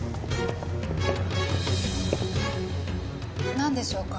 なんでしょうか？